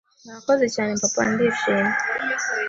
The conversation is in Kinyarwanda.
Murakoze cyane Papa, ndishimye